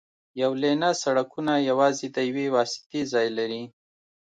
یو لینه سړکونه یوازې د یوې واسطې ځای لري